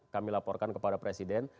kami laporkan kepada presiden